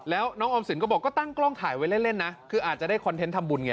แล้วน้องออมสินก็บอกก็ตั้งกล้องถ่ายไว้เล่นนะคืออาจจะได้คอนเทนต์ทำบุญไง